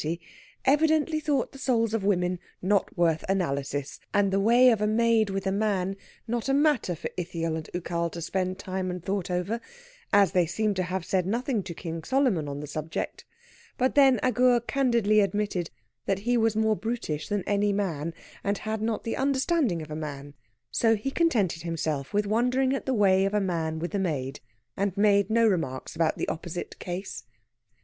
evidently thought the souls of women not worth analysis, and the way of a maid with a man not a matter for Ithiel and Ucal to spend time and thought over, as they seem to have said nothing to King Solomon on the subject. But then Agur candidly admitted that he was more brutish than any man, and had not the understanding of a man. So he contented himself with wondering at the way of a man with a maid, and made no remarks about the opposite case.